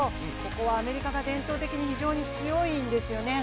ここはアメリカが伝統的に非常に強いんですよね。